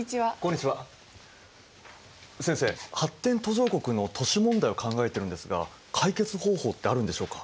先生発展途上国の都市問題を考えてるんですが解決方法ってあるんでしょうか？